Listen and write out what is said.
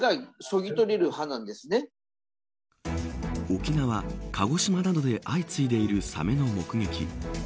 沖縄や鹿児島などで相次いでいるサメの目撃。